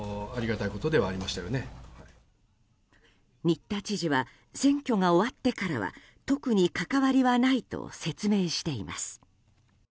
新田知事は選挙が終わってからは特に関わりはないと説明しています。